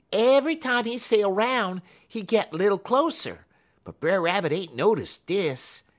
Eve'y time he sail 'roun', he git little closer, but Brer Rabbit ain't notice dis.